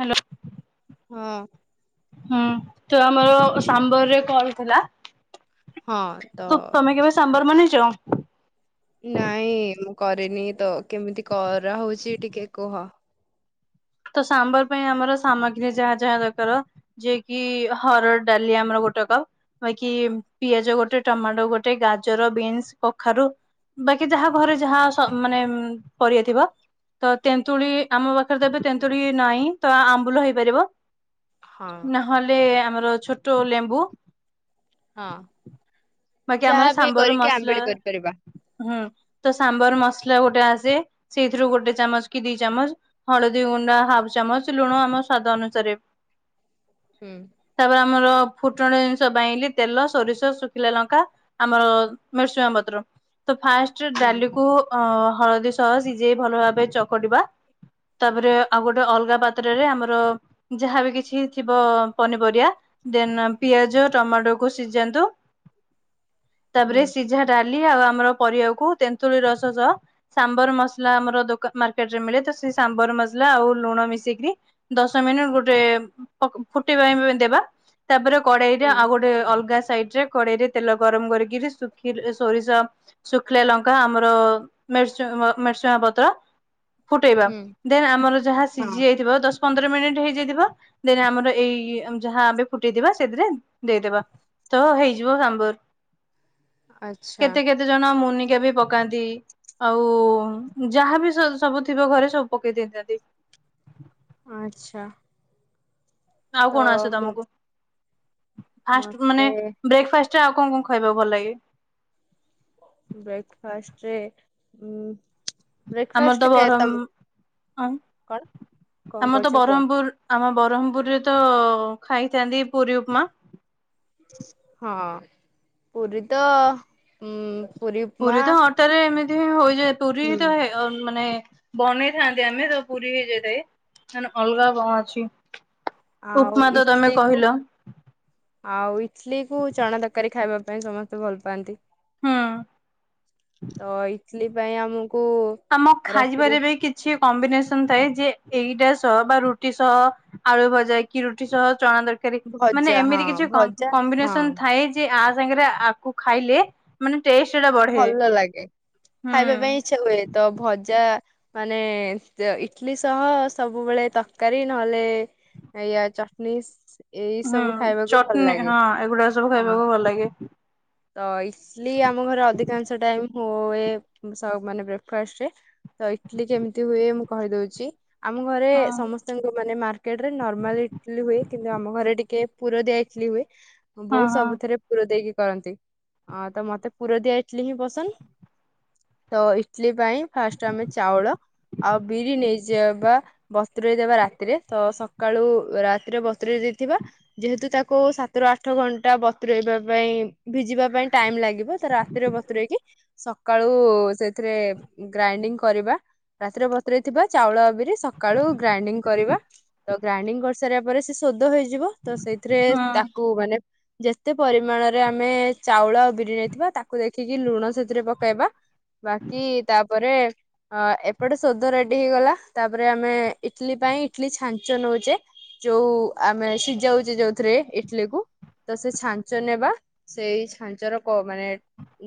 Hello ହଁ ହୁଁ ତୁ ଆମର ସାମ୍ବରରେ କଣ ଥିଲା। ହଁ ତ ତ ତମେ କେବେ ସାମ୍ବାର ବନେ ଯ ନାଇଁ ମୁଁ କ ନି ତ କେମିତି କରାହଉଛି ଟିକେ କୁହ। ତ ସାମ୍ବର ପାଇଁ ଆମର ସାମଗ୍ରୀ ଯାହା ଯାହା ଦରକାର ଯିଏ କି ହରଡ଼ ଡାଲି ଆମର ଗୋଟେ କପ ବାକି ପିଆଜ ଗୋଟେ ଟମାଟୋ ଗୋଟେ ଗାଜର ବିନ୍ସ କଖାରୁ ବାକି ଯାହା ଘରେ ଯାହା ମାନେ ପରିବା ଥିବ ତ ତେନ୍ତୁଳି ଆମ ପାଖରେ ଦେବେ ତେନ୍ତୁରି ନାହିଁ ତ ଆମ୍ବୁଲ ହେଇପାରିବ। ହଁ ନହେଲେ ଆମର ଛୋଟ ଲେମ୍ବୁ ହଁ ବାକି ଆମର ଯାହାବ ସାମ୍ବର କରିକି ମସଲା ଆମ୍ବିଳି କରିପାରିବା। ହୁଁ ତ ସାମ୍ବର ମସଲା ଗୋଟେ ଆସେ ସେଇଥିରୁ ଗୋଟେ ଚାମଚ କି ଦି ଚାମଚ ହଳଦୀ ଦି ଗୁଣ୍ଡା ହାଫ ଚାମଚ ଲୁଣ ଆମ ସ୍ଵାଦ ଅନୁସାରେ। ହୁଁ। ତାପରେ ଆମର ଫୁଟଣ ଜିନିଷ ବଇଲି ତେଲ, ସୋରିଷ, ଶୁଖିଲା ଲଙ୍କା, ଆମର ଭେରସୁଆଁ ପତ୍ର। ତ ଫାଷ୍ଟ ହୁଁ ଡାଲିକୁ ଅ ହଳଦୀ ସହ ସିଜେଇ ଭଲ ଭାବେ ଚକଟିବା ତାପରେ ଆଉ ଗୋଟେ ଅଲଗା ପାତ୍ରରେ ଆମର ଯାହାବ କିଛି ଥିବ ପନିପରିବା ଦେନ ପିଆଜ ଟମାଟୋକୁୁ ସିଝାନ୍ତୁ। ହୁଁ ତାପରେ ସିଝା ଡା ଡାଲି ଆଉ ଆମ ପରକୁ ତେନ୍ତୁଳି ରସ ସହ ସାମ୍ବର ମସଲା ଆମର ଦୋ ମାର୍କେଟ ରେ ମିଳେ। ତ ସେ ସାମ୍ବର ମସଲା ଆଉ ଲୁଣ ମିଶିକିରି ଦଶ ମିନିଟ ଗୋଟେ ଫୁ ଫୁଟେଇବା ପାଇଁ ଦେବା। ତାପରେ କଡେଇ ରେ ହୁଁ ଆଉ ଗୋଟେ ଅଲଗା ସାଇଟରେ କଡେଇରେ ତେଲ ଗରମ କରିକିରି ଶୁଖି ସୋରିଷ ଶୁଖିଲା ଲଙ୍କା ଆମର ମିରସୁ ମିରସୁଙ୍ଗା ପତ୍ର। ଫୁଟେଇବା ହୁଁ ଦେନ୍ ଆମର ଯାହା ହଁ ସିଝି ଯାଇଥିବ ତ ଦଶ ପନ୍ଦର ମିନିଟ ହେଇଯାଇଥିବ ଦେନ ଆମର ଏଇ ଯାହା ଆବେ ଫୁଟେଇଥିବା ସେଥିରେ ଦେଇଦବା ତ ହେଇଯିବ ସାମ୍ବର। ଆଚ୍ଛା କେତେ କେତେ ଜଣ ମୁନି ଟିକ ବି ପକାନ୍ତି ଆଉ ଯାହାବି ସବୁ ଥିବ ଘରେ ସବୁ ପକେଇ ଦେଇଥାନ୍ତି। ଆଚ୍ଛା। ଆଉ ତ କଣ ଆସେ ମୁଁ ତମକୁ ଫାଷ୍ଟ ମାନେ ମତେ ବ୍ରେକଫାଷ୍ଟ ଆଉ କଣ କଣ ଖାଇବାକୁ ଭଲ ଲାଗେ। ବ୍ରେକଫାଷ୍ଟରେ ଉ ଆମର ତ ବରହମ ହଁ କଣ [inaudible] କଣ ଆମର ତ କହୁଛ କୁହ? ବରହମପୁର ଆମ ବ୍ରହ୍ମପୁରରେ ତ ଖାଇଥାନ୍ତି ପୁରୀ ଉପମା ହଁ ପୁରୀ ତ ଉଁ ପୁରୀ ତ ଅଟାରେ ଏମିତି ହୁଇ ଯେ ପୁରୀ ହୁଁ ତ ହେ ମାନେ ବନେଇଥାନ୍ତି ଆମେ ତ ପୁରୀ ହେଇଯାଇଥାଏ ଅଲଗା କଣ ଅଛି। ଆଉ ଉପମା ତ ତମେ ଇଟଲି କୁ କହିଲ [inaudible] ଆଉ ଇଟଲି କୁ ଚଣା ତରକାରୀ ଖାଇବା ପାଇଁ ସମସ୍ତେ ଭଲ ପାଆନ୍ତି। [inaudible] ହୁଁ। ତ ଇ କାଲି ପାଇଁ ଆମ ଆମ ଖାଇବାରେ ବି କିଛି କମ୍ବିନେସନ ଥାଏ ଯେ ଏଇଟା ସହ ବା ରୁଟି ସହ ଆଳୁ ଭଜା କି ରୁଟି ସହ ଚଣା ତରକାରୀ ମାନେ ଭଜା ହଁ ଏମିତି କିଛି ଭଜା କମ୍ବିନେସନ ହଁ ଥାଏ ଯେ ସାଙ୍ଗରେ ଆକୁ ଖାଇଲେ ମାନେ ଟେଷ୍ଟ ଟା ବଢେ, ଭଲ ଲାଗେ ହୁଁ। ଖାଇବା ପାଇଁ ଇଚ୍ଛା ହୁଏ ତ ଭଜା ମାନେ ଯେ ଇଟଲିି ସହ ସବୁବେଳେ ତକାରୀ ନହେଲେ ଇଏ ଚଟନୀସ ହଁ ଚଟନି ହଁ ଏଗୁଡା ସବୁ ହଁ। ଖାଇବାକୁ ଭଲ ଲାଗେ। ତ ଇସ୍ ସ୍ଲି ଆମ ଘର ଅ ଟାଇମ୍ ହଏ ସ-ମାନେ ବ୍ରେକଫାଷ୍ଟରେ ତ ଇଟଲି ଯେମିତି ହୁଏ ମୁଁ କହିଦଉଚି। ଆମ ଘରେ ହଁ ସମସ୍ତଙ୍କୁ ମାନେ ମାର କେଟ୍ ରେ ନର୍ମାଲ୍ ଇଟଲି ହୁଏ, କିନ୍ତୁ ଆମ ଘରେ ଟିକେ ପୁରଦିଆ ଇଟଲି ହୁଏ। ହଁ ବୋଉ ହଁ ସବୁଥିରେ ପୁର ଦେଇକି କରନ୍ତି ଅଁ, ତ ମୋତେ ପୁର ଦିଆ ଇ ଇଟଲି ହିଁ ପସନ୍ଦ ତ ଇଟଲି ପାଇଁ ଫାଷ୍ଟ ଆମେ ଚାଉଳ ଆଉ ବିରି ନେଇ ଜେବା ବତୁରେଇ ଦେବା ରାତିରେ ତ ସକାଳୁ ରାତିରେ ବତୁରେଇ ଦେଇଥିବା ଯେହେତୁ ତାକୁ ସାତରୁ ଆଠ ଘଣ୍ଟା ବତୁରେଇବା ପାଇଁ ଭିଜିବା ପାଇଁ ଟାଇମ୍ ଲାଗିବ। ତିରେ ବତୁରେଇକି ସକାଳୁ ସେଥିରେ ଗ୍ରାଇଣ୍ଡିଙ୍ଗ କରିବା ରାତିରେ ବତୁରେଇ ଥିବା ଚାଉଳ ବି ଯେ ସକାଳୁ ଗ୍ରାଇଣ୍ଡିଙ୍ଗ କରିବା, ତ ଗ୍ରାଇଣ୍ଡିଙ୍ଗ କର ସାରିବା ପରେ ସେ ସୋଦ ହେଇ ଯିବ ତ ସେଇଥିରେ ହଁ ତାକୁ ମାନେ ଯେତେ ପରିମାଣରେ ଆମେ ଚାଉଳ ବିରି ନେଇଥିବା ତା ଦେଖିକି ଲୁଣ ସେଥିରେ ପକାଇବା, ବାକି ତାପରେ ଅ, ଏପଟେ ସୋଦ ରେଡି ହେଇଗଲା, ତାପରେ ଆମେ ଇଟଲି ପାଇଁ ଇଟଲି ଛାଞ୍ଚ ନଉଚେ, ଯୋଉ ଆମେ ସିଜାଉଚେ ଯୋଉଥିରେ ଇଟଲି କୁ ତ ସେ ଛାଞ୍ଚ ନେବା ସେଇ ଛାଞ୍ଚର କ- ମାନେ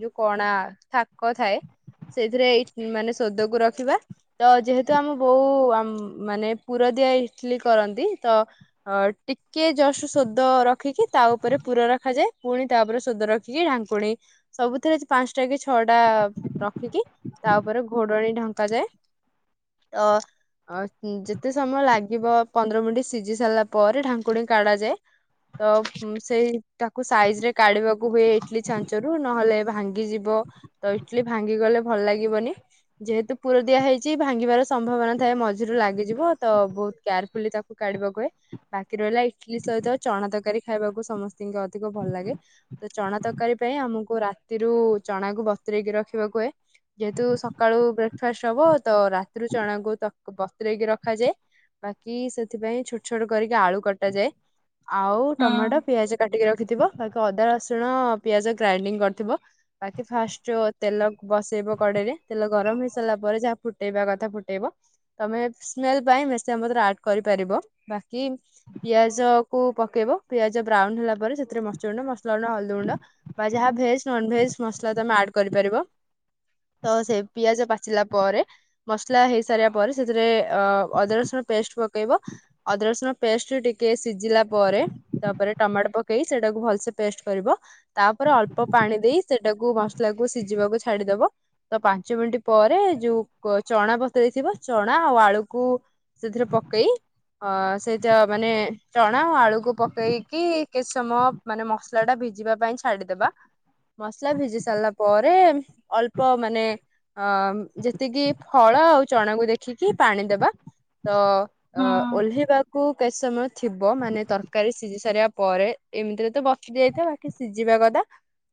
ଯୋଉ କଣା ଥାକ ଥାଏ ସେଇଥିରେ ଇ-ମାନେ ସୋଦକୁୁ ରଖିବା ତ ଯେହେତୁ ଆମ ବୋଉ ଆ, ମାନେ ପୁର ଦିଆ ଇଟଲି କରନ୍ତି ତ ଅ, ଟିକେ ଜଷ୍ଟ ସୋଦ ର ରଖିକି ତା ଉପରେ ପୁର ରଖାଯାଏ। ପୁଣି ତାପରେ ସୋଦ ରଖିକି ଢାଙ୍କୁଣୀ ସବୁଥିରେ ପାନ୍ସଟା କି ଛଅ ଟା ରଖିକି ତା ଉପରେ ଘୋଡ଼ଣୀ ଢଙ୍କାଯାଏ, ତ ଅ, ଉଁ, ଯେତେ ସମୟ ଲାଗିବ ପନ୍ଦର ମିନିଟ୍ ସିଜି ସାରିଲା ପରେ ଢାଙ୍କୁଣୀ କାଢାଯାଏ, ତ ଉଁ, ସେଇ ତାକୁ ସାଇଜ ରେ କାଢିବା କୁ ହୁଏ ଇଟଲି ଛାଞ୍ଚରୁ ଉ ନହେଲେ ଭାଙ୍ଗି ଯିବ, ତ ଇଟଲିି ଭାଙ୍ଗି ଗଲେ ଭଲ ଲାଗିବନି, ଯେହେତୁ ପୁର ଦିଆ ହେଇଚି ଭାଙ୍ଗିବାର ସମ୍ଭାବନା ଥାଏ ମଝିରୁ ଲାଗିଯିବ ତ ବହୁତ କେୟାରଫୁଲି ତାକୁ କାଢିବାକୁ ହୁଏ, ବାକି ରହିଲା ଇଟଲିି ସହିତ ଚଣା ତରକାରୀ ଖାଇବାକୁ ସମସ୍ତିଙ୍କି ଅଧିକ ଭଲ ଲାଗେ ତ ଚଣା ତରକାରୀ ପାଇଁ ଆମ ଓ ରାତିରୁ ଚଣାକୁ ବତରେଇକି ରଖିବାକୁ ହୁଏ, ଯେହେତୁ ସକାଳୁ ବ୍ରେକଫାଷ୍ଟ ହବ ତ ରାତିରୁ ଚଣାକୁ ତ-ବତରେଇକି ରଖାଯାଏ ବାକି ସେଥିପାଇଁ ଛୋଟ ଛୋଟ କରିକି ଆଳୁ କଟାଯାଏ। ଆଉ ଟମାଟୋ ହଁ ପିଆଜ କାଟିକି ର ରଖିଥିବ ବାକି ଅଦା ରସୁଣ ପିଆଜ ଗ୍ରାଇଣ୍ଡିଙ୍ଗ କରିଥିବ, ବାକି ଫାଷ୍ଟ ତେଲ ବସେଇବ କଡେଇରେ ତେଲ ଗରମ ହେଇ ସାରିଲା ପରେ ଯାହା ଫୁଟେଇବା କଥା ଫୁଟେଇବ, ତୋମେ ସ୍ମେଲ୍ ପାଇଁ ଭୃଶିଙ୍ଗ ପତ୍ର ଆଡ କରିପାରିବ, ବାକି ପିଆଜ କୁ ପକେଇବ, ପିଆଜ ବ୍ରାଉନ୍ ହେଲା ପରେ ସେଥିରେ ମରିଚ ଗୁଣ୍ଡ, ମସଲା ଗୁଣ୍ଡ, ହଳଦୀ ଗୁଣ୍ଡ ବା ଯାହା ଭେଜ୍ ନନ ଭେଜ୍ ମସଲା ତୋମେ ଆଡ୍ କରିପାରିବ, ତ ସେ ପିଆଜ ପାଚିଲା ପରେ ମସଲା ହେଇସାରିବା ପରେ ସେଥିରେ ଅ-ଅଦା ରସୁଣ ପେଷ୍ଟ ପକେଇବ, ଅଦା ରସୁଣ ପେଷ୍ଟ ଟିକେ ସିଜିଲା ପରେ ତାପରେ ଟମାଟୋ ପକେଇ ସେଟାକୁ ଭଲସେ ପେଷ୍ଟ କରିବ, ତାପରେ ଅଳ ଅଳ୍ପ ପାଣି ଦେଇ ସେଟାକୁ ମସଲାକୁ ସିଜିବାକୁ ଛାଡିଦବ, ତ ପାଞ୍ଚ ମିନିଟ୍ ପରେ ଯୋଉ କ-ଚଣା ବତୁରେଇ ଥିବ ଚଣା ଆଉ ଆଳୁକୁ ସେଥିରେ ପକେଇ ଅ, ସେଇଟା ମାନେ ଚଣ ଣା ଆଳୁକୁ ପକେଇକି ଟିକେ ସମୟ ମାନେ ମସଲା ଟା ଭିଜିବା ପାଇଁ ଛା ଛାଡ଼ିଦବା। ମସଲା ଭିଜି ସାରିଲା ପରେ ଅଳ୍ପ ମାନେ ଅ ଯେତିକି ଫଳ ଆଉ ଚଣାକୁ ଦେଖିକି ପାଣି ଦେବା। ତ ଅ ହଁ ଓହ୍ଲାଇବାକୁ କେତେ ସମୟ ଥିବ ମାନେ ତରକାରୀ ସିଝି ସାରିବା ପରେ ଏମିତିରେ ତ ବସି ଯାଇଥିବ ବାକି ସିଝିବା କଥା।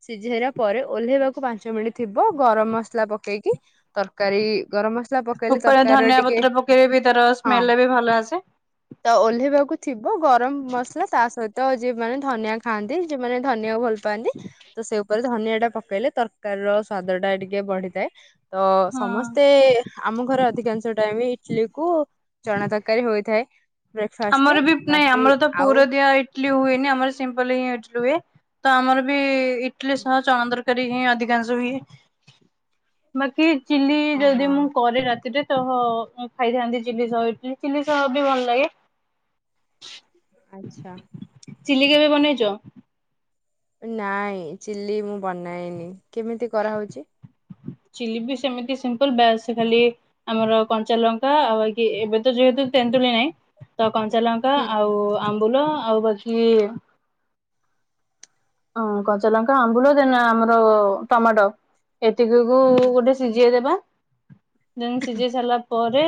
ସିଝେଇଲା ପରେ ଓହ୍ଲେଇବାକୁ ପାଞ୍ଚ ମିନିଟ ଥିବ ଗରମ ମସଲା ପକେଇକି ତରକାରୀ ଗରମ ମସ ଉପରେ ଧନିଆ ପତ୍ର ପକେଇଲେବି ତାର ହଁ ସ୍ମେଲ ବି ଭଲ ଆସେ। ତ ଓହ୍ଲେଇବାକୁ ଥିବ ଗରମ ମସଲା ତା ସହିତ ତ ଯିଏ ମାନେ ଧନିଆ ଖାଆନ୍ତି ଯିଏ ମାନେ ଧନିଆକୁ ଭଲ ପାନ୍ତି। ସେ ଉପରେ ଧନିଆ ଟା ପକେଇଲେ ତରକାରୀ ର ସ୍ଵାଦ ଟା ଟିକେ ବଢିଥାଏ। ତ ହଁ ସମସ୍ତେ ଆମ ଘରେ ଅଧିକାଂଶ ଟାଇମ ଚିଲିକୁ। ଚଣା ତରକାରୀ ହୋଇଥାଏ। ବ୍ରେକଫାଷ୍ଟରେ ଆମର ବି ନାଇଁ ବାକି ଆମର ତ ଆଉ ପୁର ଦିଆ ଇଟଲିି ହୁଏନି ଆମର ସିମ୍ପଲ ହି ରୁହେ ତ ଆମର ବି ଇଟଲିି ସହ ଚଣା ତରକାରୀ ହିଁ ଅଧିକାଂଶ ହୁଏ, ବାକି। ଚିଲି ଯଦି ମୁଁ ହଁ। କରେ ରାତିରେ ଖାଇଥାନ୍ତି ଚିଲି ସା ଇଟ ଚିଲି ସାହ ବି ଭଲ ଲାଗେ। ଆଚ୍ଛା। ଚିଲି କେବେ ବନେଇଛ? ନାଇଁ ଚିଲି ମୁଁ ବନାଇନି କେମିତି କରାହଉଛି? ଚିଲି ବି ସେମତି ସିମ୍ପଲ ଖାଲି ଆମର କଞ୍ଚାଲଙ୍କା ଆଉ ଏବେ ତ ଯେହେତୁ ତେନ୍ତୁଳି ନାହିଁ ତ କଞ୍ଚାଲଙ୍କା ହୁଁ ଆଉ ଆମ୍ବୁଲ ଆଉ ପଛି ହ କଞ୍ଚା ଲଙ୍କା ଆମ୍ବୁଲ ଦେନ ଆମର ଟମାଟୋ। ଏତିକି କୁ ହୁଁ ଗୋଟେ ସିଝେଇଦବା। ଦେନ୍ ସିଝେଇ ସାରିଲା ପରେ।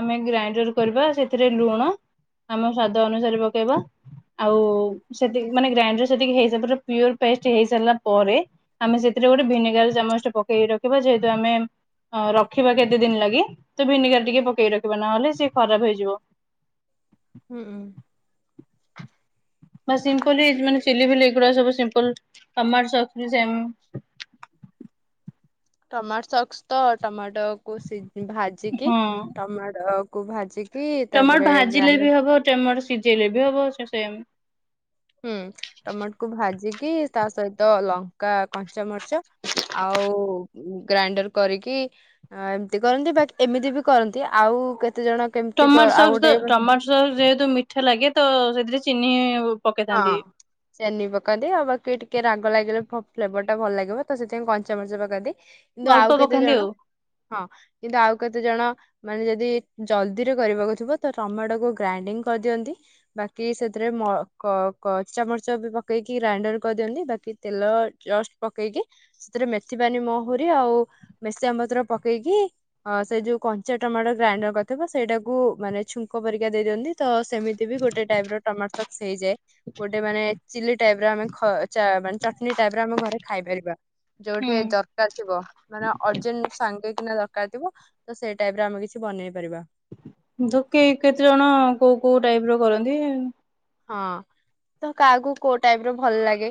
ଆମେ ଗ୍ରାଇଣ୍ଡର କରିବା ସେଥିରେ ଲୁଣ ଆମ ସ୍ଵାଦ ଅନୁସାରେ ପକେଇବା ଆଉ ସେ ମାନେ ଗ୍ରାଇଣ୍ଡର ସେତିକି ହେ ପିର ପେଷ୍ଟ ହେଇ ସାରିଲା ପରେ ଆମେ ସେଥିରେ ଗୋଟେ ଭିନେଗାର ଚାମଚ ଟା ପକେଇକି ରଖିବା ଯେହେତୁ ଆମେ ରଖିବା କେତେ ଦିନ ଲାଗି ତ ଭିନେଗାର ଟିକେ ପକେଇ ରଖିବା ନହେଲେ ସି ଖରାପ ହେଇଯିବ। ହୁଁ। ବା ସିମ୍ପଲ ମାନେ ଚିଲି ଏଗୁଡା ସବୁ ସିମ୍ପଲ ଟମଟ ସକ୍ସ ବି ସେ ଟମାଟ ସାକ୍ସ ତ ଟମାଟ କୁ ଭାଜିକି ଟମାଟୋ କୁ ଭାଜିି ଟମାଟର ଭାଜିଲେ ବି ହବ ଟମାଟର ସି ଜଲେବି ହବ ସେ ସେମ୍ କି ତା ସହିତ ଲଙ୍କା କଞ୍ଚାମରିଚ ଆଉ ଗ୍ରାଇଣ୍ଡର କରିକି ଏମିତି କରନ୍ତି ବା ଏମିତି ବି କରନ୍ତି ଆଉ କେ ଟମାଟୋ ସକ୍ ତ ଟମାଟୋ ସକ୍ ଯେହେତୁ ମିଠା ଲାଗେ ତ ସେଥିରେ ଚିନି ହଁ ପକେଇଥାନ୍ତି। ଚିନି ପକାନ୍ତି ଆଉ ବାକେ ଟିକେ ରାଗ ଲାଗିଲେ ପ ଫ୍ଲେଭରଟା ଭଲ ଲାଗିବ ତ ସେଥିପାଇଁ କଞ୍ଚାମର୍ଚ ପାକାନ୍ତି। କିନ୍ତୁ ଅଳ୍ପ ଆଉ କେତେ ପକାନ୍ତି ଆଉ ଜଣ ହଁ କିନ୍ତୁ ଆଉ କେତେ ଜଣ ମାନେ ଯଦି ଜଲଦିରେ କରିବାକୁ ଥିବ ତ ଟମାଟୋକୁ ଗ୍ରାଇଣ୍ଡିଙ୍ଗ କରିଦିଅନ୍ତି ବାକି ସେଥିରେ ମ କ କଚାମର୍ଚ ବି ପକେଇକି ଗ୍ରାଇଣ୍ଡର କରିଦିଅନ୍ତି ବାକି ତେଲ ଜଷ୍ଟ ପକେଇକି ସେଥିରେ ମେଥିପାନି ମହୁରି ଆଉ ମେସିଆ ପତ୍ର ପକେଇକି ସେ ଯୋଉ କଞ୍ଚା ଟମାଟୋ ଗ୍ରାଇଣ୍ଡର କରିଥିବ ସେଇଟାକୁ ମାନେ ଛୁଙ୍କ ପରିକା ଦେଇଦିଅନ୍ତି ତ ସେମିତି ବି ଗୋଟେ ଟାଇପ ର ଟମାଟୋ ସକ୍ ସେଇଯାଏ। ଗୋଟେ ମାନେ ଚିଲି ଟାଇପ ର ଆମେ ମାନେ ଚ ଚଟଣି ଟାଇପ ରେ ଆମେ ଘରେ ଖାଇପାରିବା। ହୁଁ ଯୋଉଠି ଦରକାର ଥିବ ମାନେ ଅର୍ଜୁନ ସାଙ୍ଗେ କିନା ଦର ହେଇଥିବ ତ ସେଇ ଟାଇପ ରେ ଆମେ କିଛି ବନେଇ ପାରିବା। ଧୋକେ କେତେ ଜଣ କୋଉ କୋଉ ଟାଇପ ର କରନ୍ତି। ହଁ ତ କାହାକୁ କୋଉ ଟାଇପ ର ଭଲ ଲାଗେ।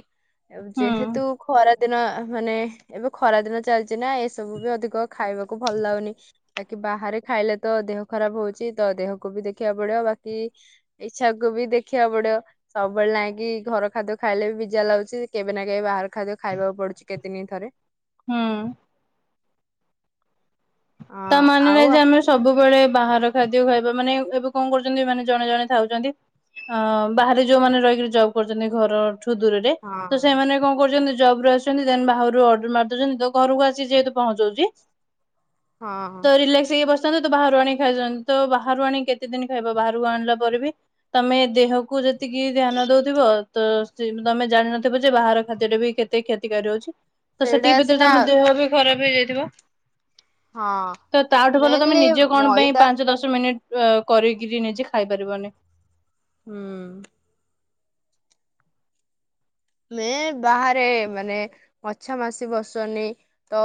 ହୁଁ ଯେହେତୁ ଖରା ଦିନ ମାନେ ଏବେ ଖରା ଦିନ ଚାଲିଛି ନା ଏସବୁ ବି ଅଧିକ ଖାଇବାକୁ ଭଲ ଲାଗୁନି ବାକି ବାହାରେ ଖାଇଲେ ତ ଦେହ ଖରାପ ହଉଛି ତ ଦେହକୁ ବି ଦେଖିବାକୁ ପଡିବ ବାକି ଇଚ୍ଛା କୁ ବି ଦେଖ ଦେଖିବାକୁ ପଡିବ ସବୁବେଳେ ନାଇଁକି ଘର ଖାଦ୍ୟ ଖାଇଲେ ବି ଜା ଲାଗୁଛି କେବେ ନା କେବେ ବାହାର ଖାଦ୍ୟ ଖାଇବାକୁ ପଡୁଛି କେତେ ଦିନ ଥରେ ହୁଁ। ତା ହଁ ମାନେ ନା ଆଉ ଯେ ଆମେ ସବୁବେଳେ ବାହାର ଖାଦ୍ୟ ଖାଇବା ମାନେ ଏବେ କଣ କରୁଛନ୍ତି ମାନେ ଜଣେ ଜଣେ ଥାଉଛନ୍ତି ଅ ବାହାରେ ଯୋଉମାନେ ରହିକରି ଜବ୍ କରୁଛନ୍ତି ଘର ଠୁ ଦୂରରେ ତ ହଁ ସେମାନେ କଣ କରୁଛନ୍ତି। ଜବ ରୁ ଆସୁଛନ୍ତି ଦେନ ବାହରୁ ଅର୍ଡର ମାରିଦଉଛନ୍ତି ତ ଘରକୁ ଆସି ଯେହେତୁ ପହଞ୍ଚାଉଛି ହଁ ତ ରିଲାକ୍ସ ହେଇ ବ ତ ବାହାରୁ ଆଣି ଖାଇଛନ୍ତି ତ ବାହାରୁ ଆଣି କେତେ ଦିନ ଖାଇବ ବାହାରକୁ ଆଣିଲା ପରେ ବି ତମେ ଦେହକୁ ଯେତିକି ଧ୍ୟାନ ଦଉଥିବ ତ ତମେ ଜାଣିନଥିବ ଯେ ବାହାର ଖାଦ୍ୟରେ ବି କେତେ କ୍ଷତିକାରୀ ଅଛି। ତ ସେଇଟା ସେତିକି ଭିତରେ ସିନା ତମ ଦେହ ବି ଖରାପ ହେଇଯାଇ [unintelligible] ହଁ ତ ତାଠୁ ଭଲ ତମେ ମେନଲି ନିଜେ କଣ ପାଇଁ ମଇଦା ପାଞ୍ଚ ଦଶ ମିନିଟ ଅ କରିକିରି ନିଜେ ଖାଇ ପାରିବନି ହୁଁ। ମେ ବାହାରେ ମାନେ ମଛା ମାସି ବସନି ତ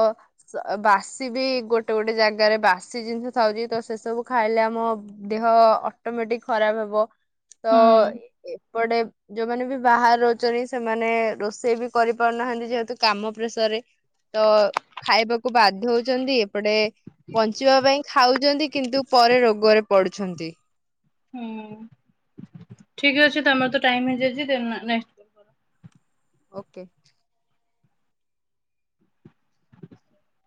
ବାସି ବି ଗୋଟେ ଗୋଟେ ଜାଗାରେ ବାସି ଜିନିଷ ଥାଉଛି ତ ସେ ସବୁ ଖାଇଲେ ଆମ ଦେହ ଅଟୋମେଟିକ ଖରାପ ହବ। ତ ହୁଁ ଏପଟେ ଯୋଉମାନେ ବି ବାହାରେ ରହୁଛନ୍ତି ସେମାନେ ରୋଷେଇ ବି କରିପାରୁନାହାନ୍ତି ଯେହେତୁ କାମ ପ୍ରେସରରେ ତ ଖାଇବାକୁ ବାଧ୍ୟ ହଉଛନ୍ତି ଏପଟେ ବଞ୍ଚିବା ପାଇଁ ଖାଉଛନ୍ତି କିନ୍ତୁ ପରେ ରୋଗରେ ପଡୁଛନ୍ତି। ହୁଁ ଠିକ ଅଛି ତମର ତ ଟାଇମ ହେଇଯାଇଛି ଓକେ। [inaudible]